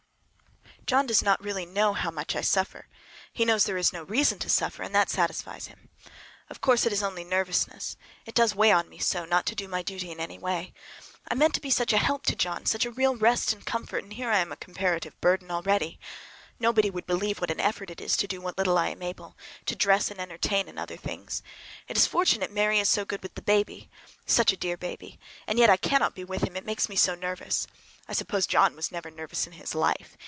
John does not know how much I really suffer. He knows there is no reason to suffer, and that satisfies him. Of course it is only nervousness. It does weigh on me so not to do my duty in any way! I meant to be such a help to John, such a real rest and comfort, and here I am a comparative burden already! Nobody would believe what an effort it is to do what little I am able—to dress and entertain, and order things. It is fortunate Mary is so good with the baby. Such a dear baby! And yet I cannot be with him, it makes me so nervous. I suppose John never was nervous in his life.